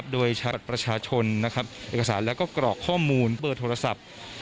โดยชาร์จประชาชนเอกสารแล้วก็กรอกข้อมูลเบอร์โทรศัพท์